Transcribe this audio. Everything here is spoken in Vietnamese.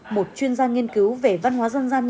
một chuyên gia nghiên cứu về văn hóa dân gian như ông